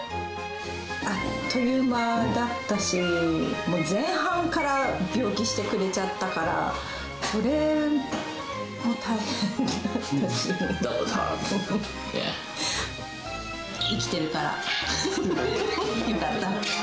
あっという間だったし、もう前半から病気してくれちゃったから、それも大変だったし。